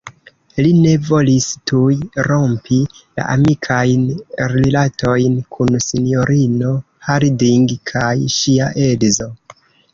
Li ne volis tuj rompi la amikajn rilatojn kun sinjorino Harding kaj ŝia edzo.